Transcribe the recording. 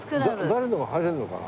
誰でも入れるのかな？